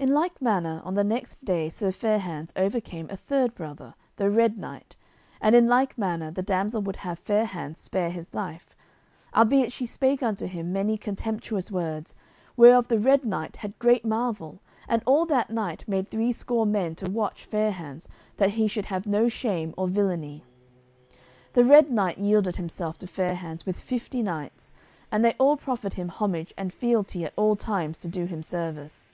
In like manner on the next day Sir Fair hands overcame a third brother, the Red Knight, and in like manner the damsel would have Fair hands spare his life. Albeit she spake unto him many contemptuous words, whereof the Red Knight had great marvel, and all that night made three score men to watch Fair hands that he should have no shame or villainy. The Red Knight yielded himself to Fair hands with fifty knights, and they all proffered him homage and fealty at all times to do him service.